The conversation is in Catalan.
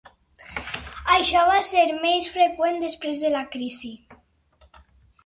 Això va ser menys freqüent després de la crisi.